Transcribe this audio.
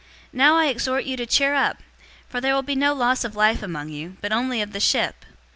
027:022 Now I exhort you to cheer up, for there will be no loss of life among you, but only of the ship.